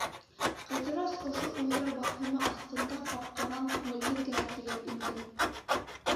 Ҡыҙырас ошо уйҙар баҫымы аҫтында ҡапҡанан күңелһеҙ генә килеп инде.